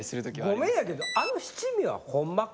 ゴメンやけどあの七味はホンマか？